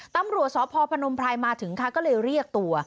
ตำรวจสพพนมไพรมาถึงค่ะก็เลยเรียกตัว